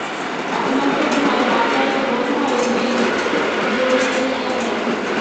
একমাত্র ভয়, বাতাস বোধহয় মেঘ উড়িয়ে নিয়ে যাবে।